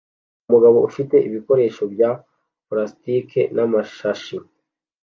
Umugabo ufite ibikoresho bya pulasitike n'amashashi